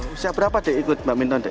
usia berapa dek ikut badminton dek